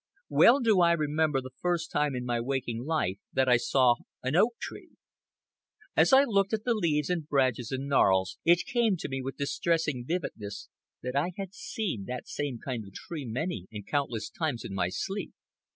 Well do I remember the first time in my waking life that I saw an oak tree. As I looked at the leaves and branches and gnarls, it came to me with distressing vividness that I had seen that same kind of tree many and countless times in my sleep.